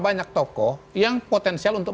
banyak tokoh yang potensial untuk